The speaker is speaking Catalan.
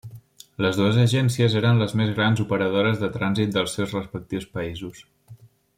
Les dues agències eren les més grans operadores de trànsit dels seus respectius països.